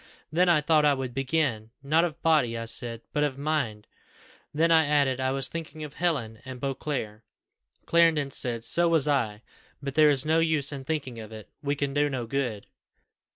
then I thought I would begin. 'Not of body,' I said, 'but of mind;' then I added, 'I was thinking of Helen and Beauclerc,' Clarendon said, 'So was I; but there is no use in thinking of it; we can do no good.